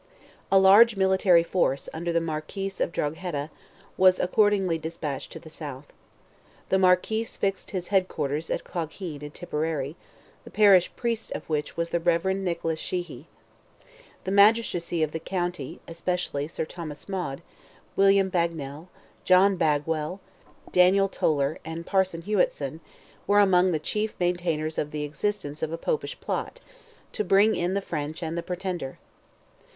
A large military force, under the Marquis of Drogheda, was accordingly despatched to the south. The Marquis fixed his head quarters at Clogheen, in Tipperary, the parish priest of which was the Rev. Nicholas Sheehy. The magistracy of the county, especially Sir Thomas Maude, William Bagnel, John Bagwell, Daniel Toler, and Parson Hewitson, were among the chief maintainers of the existence of a Popish plot, to bring in the French and the Pretender.